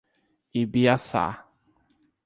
Ibiaçá